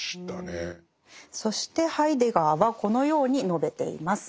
そしてハイデガーはこのように述べています。